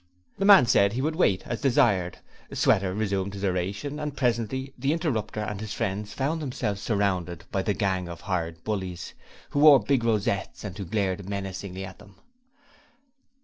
The man said he would wait as desired; Sweater resumed his oration, and presently the interrupter and his friends found themselves surrounded by the gang of hired bullies who wore the big rosettes and who glared menacingly at them.